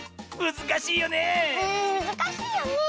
うんむずかしいよね。